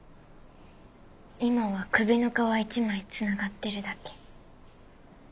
今は首の皮一枚つながってるだけ。